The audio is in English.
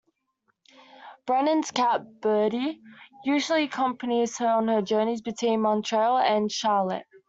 Brennan's cat, Birdie, usually accompanies her on her journeys between Montreal and Charlotte.